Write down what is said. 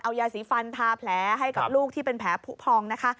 เอายาสีฟันทาแผลให้กับลูกที่เป็นแผลผู้พองนะคะ